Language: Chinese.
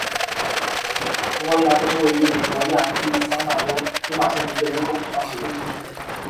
古奥伊达克是位于美国亚利桑那州皮马县的一个人口普查指定地区。